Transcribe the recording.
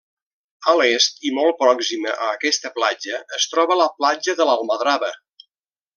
A l'est, i molt pròxima a aquesta platja, es troba la platja de l'Almadrava.